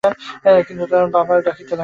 কিন্তু তাহার বাবা ডাকিতে আসিল।